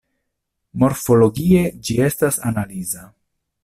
Morfologie, ĝi estas analiza.